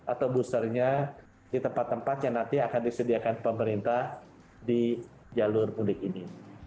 atau boosternya di tempat tempat yang nanti akan disediakan pemerintah di jalur mudik ini